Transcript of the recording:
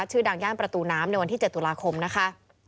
ชื่อดังย่านประตูน้ำในวันที่๗ตุลาคมนะคะ